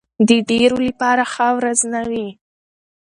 ډېرو لپاره ښه ورځ نه وي.